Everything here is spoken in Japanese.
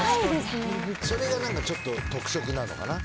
それがちょっと特色なのかな。